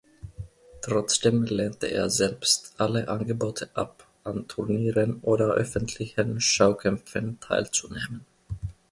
Trotzdem lehnte er selbst alle Angebote ab, an Turnieren oder öffentlichen Schaukämpfen teilzunehmen.